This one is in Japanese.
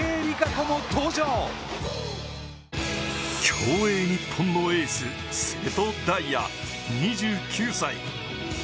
競泳ニッポンのエース・瀬戸大也２９歳。